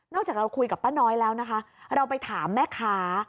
จากเราคุยกับป้าน้อยแล้วนะคะเราไปถามแม่ค้า